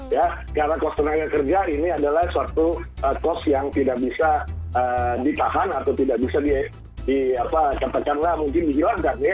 ya karena cost tenaga kerja ini adalah suatu cost yang tidak bisa ditahan atau tidak bisa di katakanlah mungkin di hilangkan ya